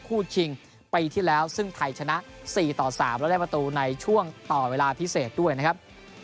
ชิงปีที่แล้วซึ่งไทยชนะ๔ต่อ๓และได้ประตูในช่วงต่อเวลาพิเศษด้วยนะครับ